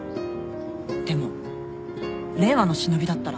でも令和の忍びだったら。